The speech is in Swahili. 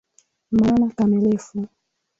Maana kamilifu